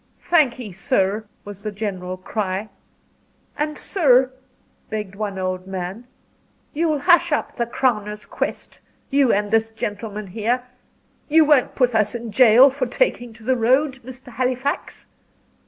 "Thank'ee sir," was the general cry. "And, sir," begged one old man, "you'll hush up the 'crowner's 'quest you and this gentleman here. You won't put us in jail, for taking to the road, Mr. Halifax?"